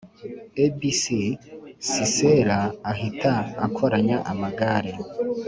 Abc sisera ahita akoranya amagare